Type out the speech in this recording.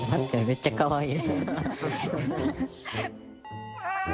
めっちゃかわいい！